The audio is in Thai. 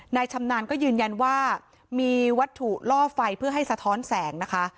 ชำนาญก็ยืนยันว่ามีวัตถุล่อไฟเพื่อให้สะท้อนแสงนะคะ